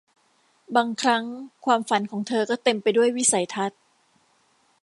บางครั้งความฝันของเธอก็เต็มไปด้วยวิสัยทัศน์